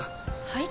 はい？